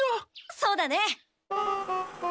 そうだね。